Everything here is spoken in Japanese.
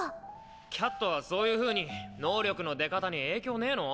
キャットはそういうふうに能力の出方に影響ねぇの？